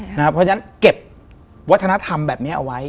เพราะฉะนั้นเก็บวัฒนธรรมแบบนี้เอาไว้